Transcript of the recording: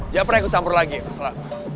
jangan pernah ikut campur lagi ya